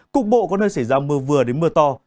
cục bộ có nơi xảy ra mưa vừa đến mưa to